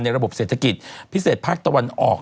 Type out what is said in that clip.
ระบบเศรษฐกิจพิเศษภาคตะวันออก